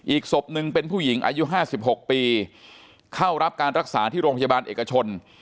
อีกศพหนึ่งเป็นผู้หญิงอายุ๕๖ปีเข้ารับการรักษาที่โรงพยาบาลเอกชน